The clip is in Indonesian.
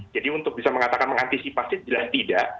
jadi untuk bisa mengatakan mengantisipasi jelas tidak